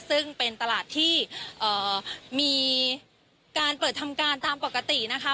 ซึ่งเป็นตลาดที่มีการเปิดทำการตามปกตินะคะ